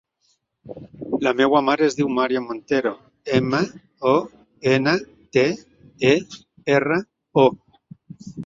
La meva mare es diu Màriam Montero: ema, o, ena, te, e, erra, o.